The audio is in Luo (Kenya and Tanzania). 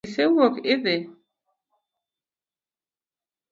Isewuok idhi?